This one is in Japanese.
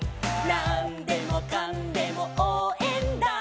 「なんでもかんでもおうえんだ！！」